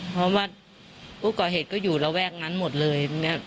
เพราะว่าผู้ก่อเหตุก็อยู่ระแวกนั้นหมดเลย